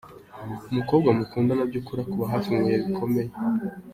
Umukobwa mukundana by’ukuri akuba hafi mu bihe bikomeye.